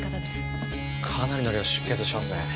かなりの量出血してますね。